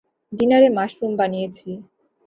ডিনারে মাশরুম বানিয়েছি।